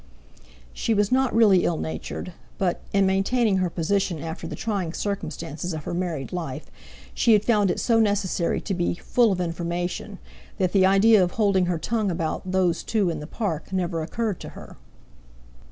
She was not really ill natured, but, in maintaining her position after the trying circumstances of her married life, she had found it so necessary to be "full of information," that the idea of holding her tongue about "those two" in the Park never occurred to her.